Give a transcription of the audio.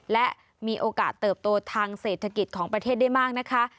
และมีโอกาสเติบโตทางเศรษฐกิจของประเทศได้มากนะคะ